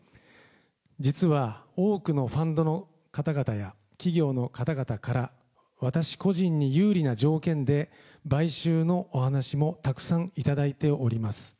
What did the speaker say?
実は多くのファンドの方々や企業の方々から、私個人に有利な条件で買収のお話もたくさん頂いております。